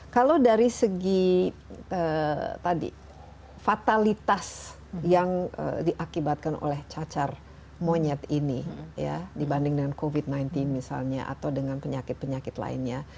kalau dari segi tadi fatalitas yang diakibatkan oleh cacar monyet ini dibanding dengan covid sembilan belas misalnya atau dengan penyakit penyakit lainnya